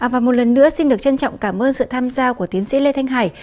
và một lần nữa xin được trân trọng cảm ơn sự tham gia của tiến sĩ lê thanh hải